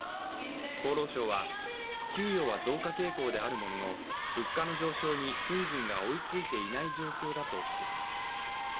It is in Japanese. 厚労省は給与は増加傾向であるものの物価の上昇に賃金が追いついていない状況だとしています。